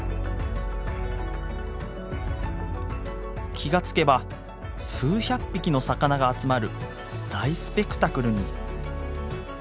気が付けば数百匹の魚が集まる大スペクタクルに。